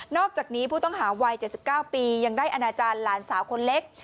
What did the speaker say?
อกจากนี้ผู้ต้องหาวัย๗๙ปียังได้อนาจารย์หลานสาวคนเล็ก